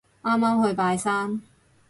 啱啱去拜山